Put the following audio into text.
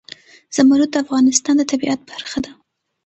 زمرد د افغانستان د طبیعت برخه ده.